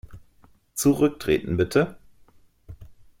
Zurücktreten, bitte!